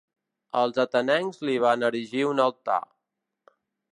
Els atenencs li van erigir un altar.